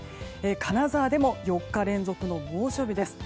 金沢でも４日連続の猛暑日です。